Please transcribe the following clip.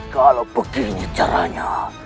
kalau begini caranya